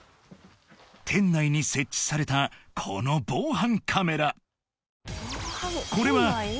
店内に設置されたこの防犯カメラ